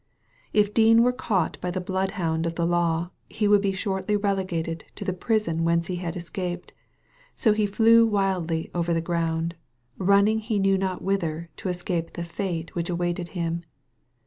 If Dean were caught by the bloodhound of the law, he would be shortly relegated to the prison whence he had escaped ; so he flew wildly over the ground, running he knew not whither to escape the fate which awaited him.